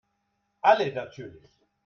Alle natürlich.